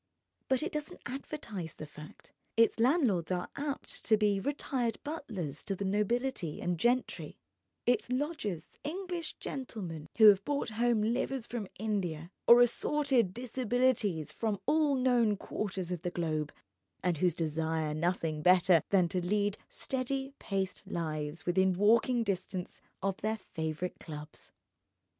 But it doesn't advertise the fact, its landlords are apt to be retired butlers to the nobility and gentry, its lodgers English gentlemen who have brought home livers from India, or assorted disabilities from all known quarters of the globe, and who desire nothing better than to lead steady paced lives within walking distance of their favourite clubs.